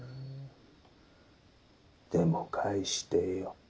でも返してよッ。